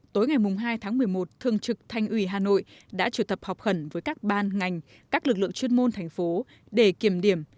tối ngày hai tháng một mươi một thương trực thanh uy hà nội đã trực tập họp khẩn với các ban ngành các lực lượng chuyên môn thành phố để kiểm điểm